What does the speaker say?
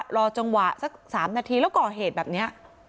รอจังหวะสัก๓นาทีแล้วก่อเหตุแบบนี้